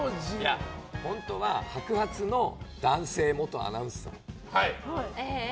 本当は白髪の男性元アナウンサーが。